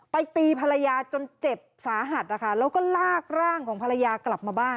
ตีภรรยาจนเจ็บสาหัสนะคะแล้วก็ลากร่างของภรรยากลับมาบ้าน